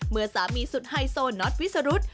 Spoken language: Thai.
เมื่อสามีสุดไฮโซน็อตวิสรุธ